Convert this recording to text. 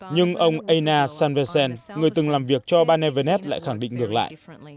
nhưng ông eina sanvesen người từng làm việc cho ban evernest lại khẳng định ngược lại